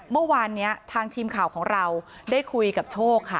เมื่อวานนี้ทางทีมข่าวของเราได้คุยกับโชคค่ะ